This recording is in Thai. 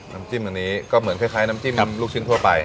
น้ำจิ้มอันนี้ก็เหมือนคล้ายน้ำจิ้มลูกชิ้นทั่วไป